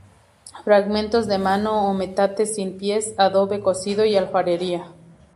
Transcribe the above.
Fragmentos de mano o metate sin pies, adobe cocido y alfarería.